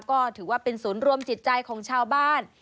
ก็ถือว่าเป็นศูนย์รวมจิตใจของชาวบ้าน